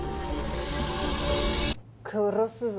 殺すぞ。